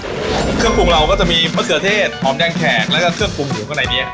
เครื่องปรุงเราก็จะมีมะเขือเทศหอมแดงแขกแล้วก็เครื่องปรุงอยู่ข้างในนี้